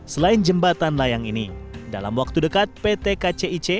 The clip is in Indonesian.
selain jembatan layang ini dalam waktu dekat pt kcic